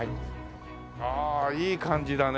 ああいい感じだね。